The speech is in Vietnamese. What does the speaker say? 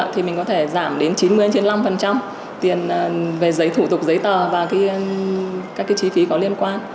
thì mình có thể giảm đến chín mươi chín mươi năm tiền về giấy thủ tục giấy tờ và các cái chi phí có liên quan